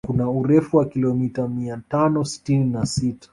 Kuna urefu wa kilomita mia tano sitini na sita